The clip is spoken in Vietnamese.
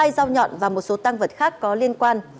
hai dao nhọn và một số tăng vật khác có liên quan